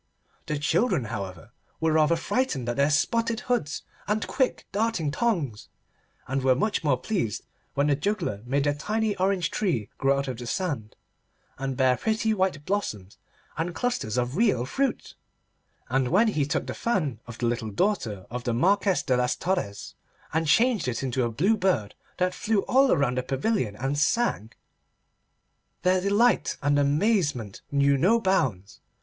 The children, however, were rather frightened at their spotted hoods and quick darting tongues, and were much more pleased when the juggler made a tiny orange tree grow out of the sand and bear pretty white blossoms and clusters of real fruit; and when he took the fan of the little daughter of the Marquess de Las Torres, and changed it into a blue bird that flew all round the pavilion and sang, their delight and amazement knew no bounds.